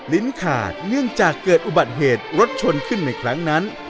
ลิ้นขาดเนื่องจากเกิดอุบัติเหตุรถชนขึ้นในครั้งนั้น